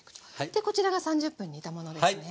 でこちらが３０分煮たものですね。